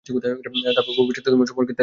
তারপর মবির সাথে তোমার সম্পর্কের তারিফ করি।